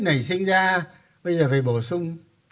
nảy sinh ra bây giờ phải bổ sung